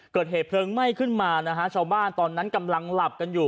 เกิดเหตุเพลิงไหม้ขึ้นมานะฮะชาวบ้านตอนนั้นกำลังหลับกันอยู่